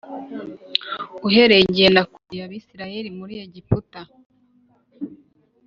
Uhereye igihe nakuriye Abisirayeli muri Egiputa